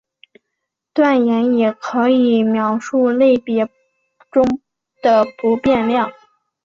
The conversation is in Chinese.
断言也可以描述类别中的不变量。